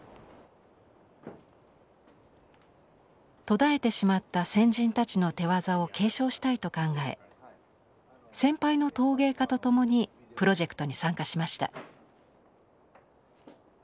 途絶えてしまった先人たちの手業を継承したいと考え先輩の陶芸家と共にプロジェクトに参加しました。